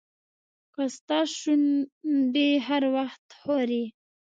که ستا شونډې هر وخت ښوري.